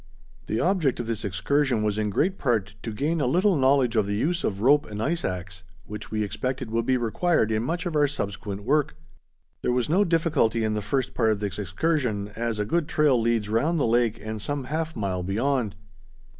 The object of this excursion was in great part to gain a little knowledge of the use of rope and ice axe, which we expected would be required in much of our subsequent work. There was no difficulty in the first part of this excursion, as a good trail leads round the lake and some half mile beyond.